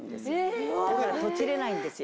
だからトチれないんですよ。